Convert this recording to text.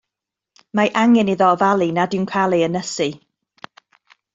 Mae angen iddo ofalu nad yw'n cael ei ynysu.